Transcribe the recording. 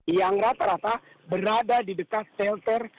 yang rata rata berada di dekat shelter